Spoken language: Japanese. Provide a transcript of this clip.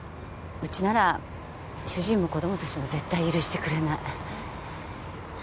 うちなら主人も子供たちも絶対許してくれない。